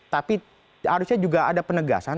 tapi harusnya juga ada penegasan